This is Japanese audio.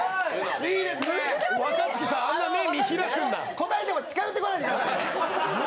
答えても近寄ってこないでください。